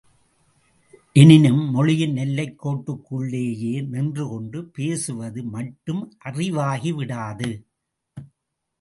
எனினும், மொழியின் எல்லைக் கோட்டுக்குள்ளேயே நின்றுகொண்டு பேசுவது மட்டும் அறிவாகிவிடாது.